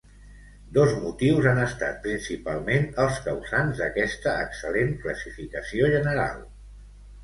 Dos motius han estat principalment els causants d'aquesta excel·lent classificació general.